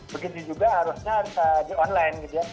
begitu juga harusnya di online